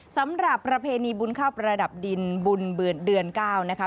ประเพณีบุญข้าวประดับดินบุญเดือน๙นะคะ